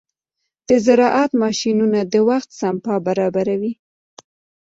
د زراعت ماشينونه د وخت سپما برابروي.